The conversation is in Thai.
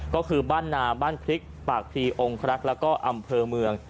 ก็คือบ้านนาบ้านพริกปากพรีองคลักษ์แล้วก็อำเภอเมือง